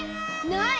ない！